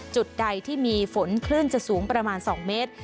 จุดใดที่มีฝนคลื่นจะสูงประมาณ๒เมตร